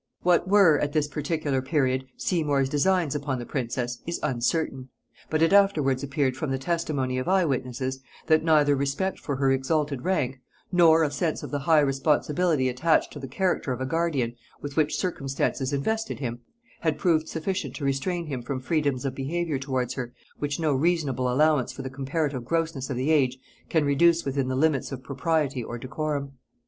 What were, at this particular period, Seymour's designs upon the princess, is uncertain; but it afterwards appeared from the testimony of eye witnesses, that neither respect for her exalted rank, nor a sense of the high responsibility attached to the character of a guardian, with which circumstances invested him, had proved sufficient to restrain him from freedoms of behaviour towards her, which no reasonable allowance for the comparative grossness of the age can reduce within the limits of propriety or decorum.